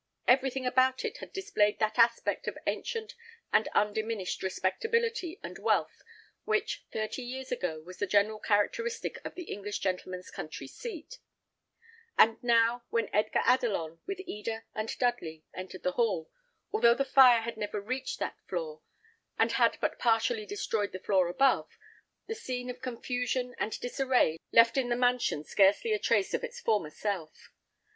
Everything about it had displayed that aspect of ancient and undiminished respectability and wealth which, thirty years ago, was the general characteristic of the English gentleman's country seat; and now, when Edgar Adelon, with Eda and Dudley, entered the hall, although the fire had never reached that floor, and had but partially destroyed the floor above, the scene of confusion and disarray left in the mansion scarcely a trace of its former self.